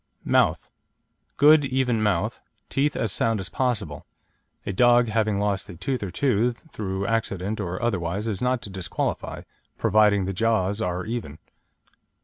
MOUTH Good even mouth; teeth as sound as possible. A dog having lost a tooth or two, through accident or otherwise, is not to disqualify, providing the jaws are even.